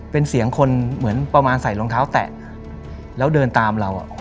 เป็นเสียงคนเหมือนประมาณใส่รองเท้าแตะแล้วเดินตามเรา